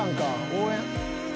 応援。